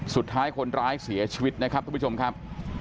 สุดท้ายคนร้ายเสียชีวิตนะครับทุกผู้ชมครับ